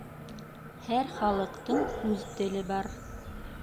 Һәр халыҡтың үҙ теле бар